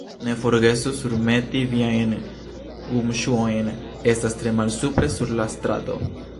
Ne forgesu surmeti viajn gumŝuojn; estas tre malpure sur la strato.